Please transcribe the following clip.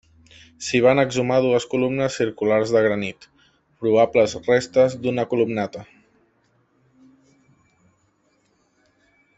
S'hi van exhumar dues columnes circulars de granit, probables restes d'una columnata.